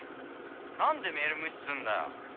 なんでメール無視すんだよ？